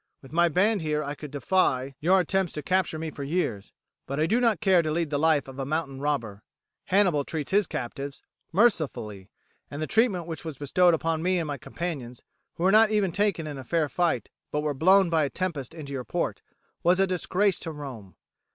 With my band here I could defy your attempts to capture me for years, but I do not care to lead the life of a mountain robber. Hannibal treats his captives mercifully, and the treatment which was bestowed upon me and my companions, who were not even taken in fair fight, but were blown by a tempest into your port, was a disgrace to Rome.